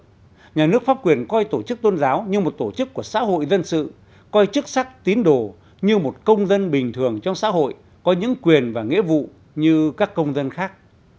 với nguyên tắc của nhà nước pháp quyền nhà nước pháp quyền coi tổ chức tôn giáo như một tổ chức của xã hội dân sự coi chức sắc tín đồ như một công dân bình thường trong xã hội coi những quyền và nghĩa vụ như các công dân khác